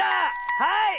はい！